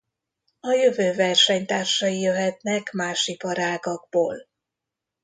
A jövő versenytársai jöhetnek más iparágakból.